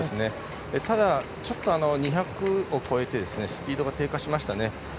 ただ、ちょっと２００を超えてスピードが低下しましたね。